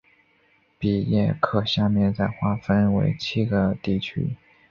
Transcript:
比耶克下面再划分为七个地区。